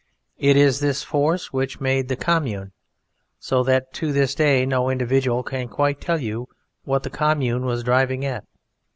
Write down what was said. It is this force which made the Commune, so that to this day no individual can quite tell you what the Commune was driving at.